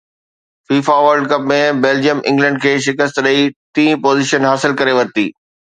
FIFA world cup ۾ Belgium England کي شڪست ڏئي ٽئين پوزيشن حاصل ڪري ورتي